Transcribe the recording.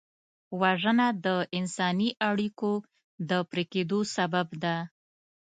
وژنه د انساني اړیکو د پرې کېدو سبب ده